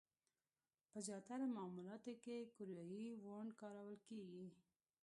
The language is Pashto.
په زیاتره معاملاتو کې کوریايي وون کارول کېږي.